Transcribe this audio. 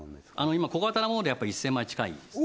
今小型のもので１０００万円近いです